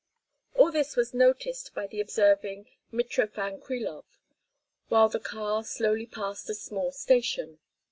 All this was noticed by the observing Mitrofan Krilov while the car slowly passed a small station.